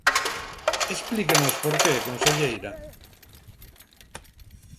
Explíquenos por que, conselleira.